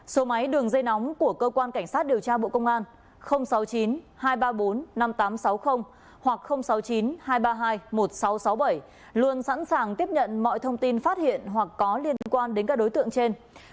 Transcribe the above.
số máy đường dây nóng của cơ quan cảnh sát điều tra bộ công an sáu mươi chín hai trăm ba mươi bốn năm nghìn tám trăm sáu mươi hoặc sáu mươi chín hai trăm ba mươi hai một nghìn sáu trăm sáu mươi bảy luôn sẵn sàng tiếp nhận mọi thông tin phát hiện hoặc có liên quan đến các đối tượng trên